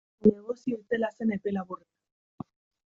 Negozio itzela zen epe laburrean.